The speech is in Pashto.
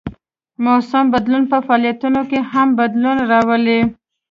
د موسم بدلون په فعالیتونو کې هم بدلون راولي